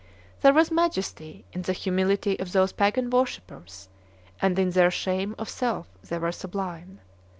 There was majesty in the humility of those pagan worshippers, and in their shame of self they were sublime.